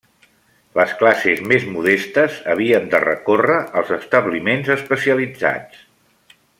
Les classes més modestes havien de recórrer als establiments especialitats.